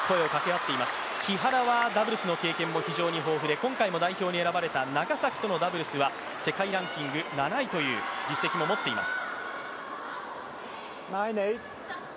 木原はダブルスの経験も非常に豊富で、今回も代表に選ばれた長崎とのダブルスは世界ランキング７位という実績も持っています。